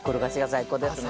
最高ですか。